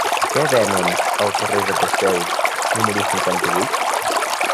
Què venen al carrer de Pasteur número cinquanta-vuit?